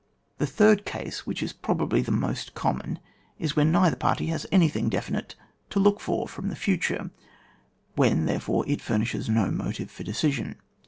The third case, which is probably the most common, is when neither party has anything definite to look for from the future, when therefore it furnishes no motive for decision.